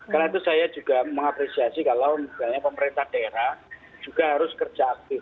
karena itu saya juga mengapresiasi kalau misalnya pemerintah daerah juga harus kerja aktif